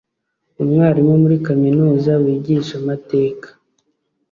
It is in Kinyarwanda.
umwarimu muri kaminuza wigisha amateka